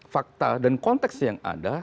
fakta dan konteks yang ada